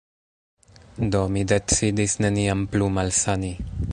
Do, mi decidis neniam plu malsani.